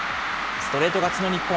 ストレート勝ちの日本。